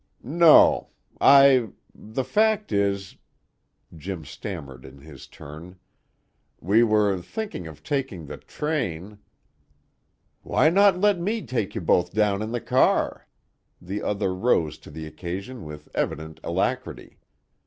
"No. I The fact is " Jim stammered in his turn. "We were thinking of taking the train " "Why not let me take you both down in the car?" The other rose to the occasion with evident alacrity.